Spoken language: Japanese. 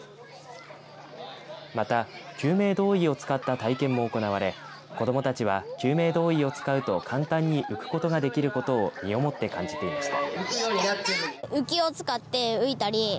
また救命胴衣を使った体験も行われ子どもたちは救命胴衣を使うと簡単に浮くことができることを身をもって感じていました。